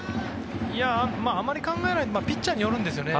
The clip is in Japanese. あまり考えないピッチャーによるんですよね。